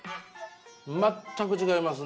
全く違いますね。